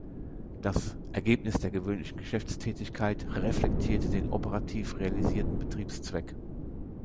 Das „Ergebnis der gewöhnlichen Geschäftstätigkeit“ reflektierte den operativ realisierten Betriebszweck.